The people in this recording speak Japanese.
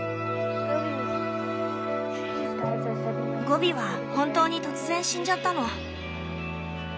ゴビは本当に突然死んじゃったの。